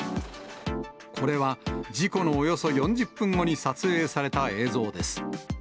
これは事故のおよそ４０分後に撮影された映像です。